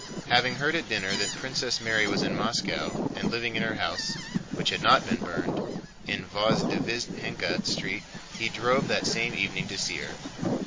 Having heard at dinner that Princess Mary was in Moscow and living in her house—which had not been burned—in Vozdvízhenka Street, he drove that same evening to see her.